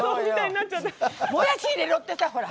もやし入れろってさ、ほら。